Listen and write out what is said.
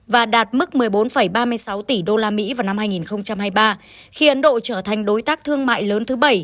và đạt mức một mươi bốn ba mươi sáu tỷ usd vào năm hai nghìn hai mươi ba khi ấn độ trở thành đối tác thương mại lớn thứ bảy